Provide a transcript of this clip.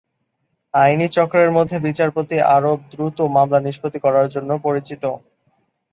আইনি চক্রের মধ্যে বিচারপতি আরব দ্রুত মামলা নিষ্পত্তি করার জন্য পরিচিত।